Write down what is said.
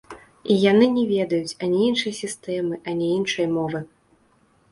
І яны не ведаюць ані іншай сістэмы, ані іншай мовы.